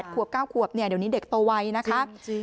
๘ขวบ๙ขวบเดี๋ยวนี้เด็กโตวัยนะคะ